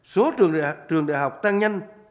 số trường đại học tăng nhanh